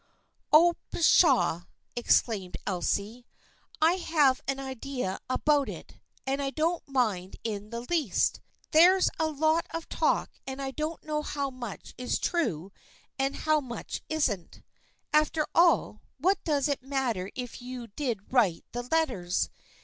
" Oh, pshaw !" exclaimed Elsie. " I have an idea about it and I don't mind in the least. There's a lot of talk and I don't know how much is true and how much isn't. After all, what does it matter if you did write the letters.